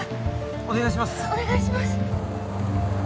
お願いします